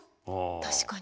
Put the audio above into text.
確かに。